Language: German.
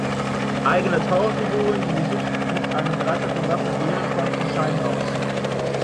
Eigene Taucher-Figuren, die sich nicht mit einem Dreizack bewaffnet wehren konnten, scheiden aus.